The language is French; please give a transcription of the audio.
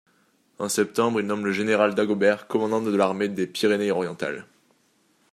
En septembre il nomme le général Dagobert commandant de l'armée des Pyrénées orientales.